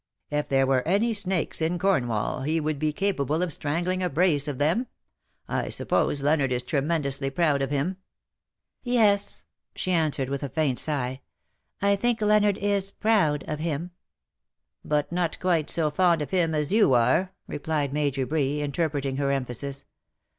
If there were any snakes in Cornwall he would be capable of strang ling a brace of them. I suppose Leonard is tremendously proud of him." " Yes," she answered with a faint sigh. ^^ I think Leonard is proud of him." THAT THE DAY WILL END." 215 "But not quite so fond of him as you are/' replied IMajor Bree, interpreting her emphasis.